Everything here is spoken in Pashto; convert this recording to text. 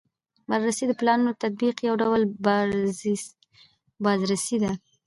بررسي د پلانونو د تطبیق یو ډول بازرسي ده.